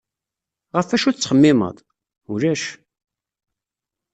Ɣef acu tettxemmimeḍ? Ulac...